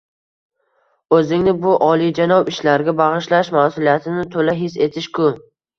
O‘zingni bu olijanob ishlarga bag‘ishlash — mas’uliyatni to‘la his etish-ku!